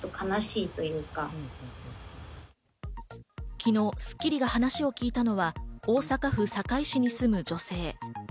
昨日『スッキリ』が話を聞いたのは大阪府堺市に住む女性。